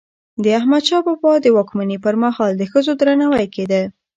د احمدشاه بابا د واکمني پر مهال د ښځو درناوی کيده.